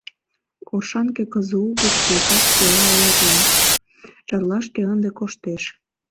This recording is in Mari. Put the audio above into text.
Оршанке КЗУ гыч, векат, «дела» ойырлен, Чарлашке ынде коштеш.